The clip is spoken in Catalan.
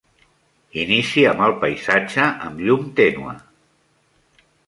Inici amb el paisatge amb llum tènue.